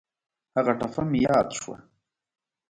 هغه ټپه مې یاد شوه.